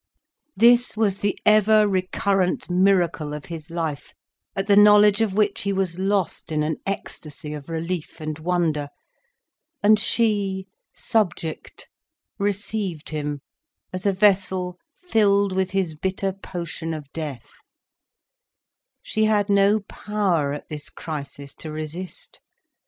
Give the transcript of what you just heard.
This was the ever recurrent miracle of his life, at the knowledge of which he was lost in an ecstasy of relief and wonder. And she, subject, received him as a vessel filled with his bitter potion of death. She had no power at this crisis to resist.